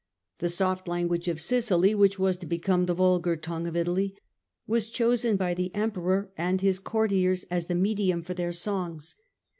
The soft language of Sicily, which was to become the vulgar tongue of Italy, was chosen by the Emperor and his courtiers as the medium for their songs.